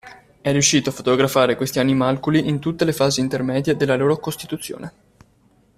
È riuscito a fotografare questi animalculi in tutte le fasi intermedie della loro costituzione.